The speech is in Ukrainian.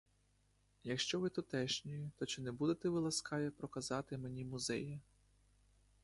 Якщо ви тутешній, то чи не будете ви ласкаві проказати мені музеї?